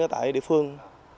tại địa phương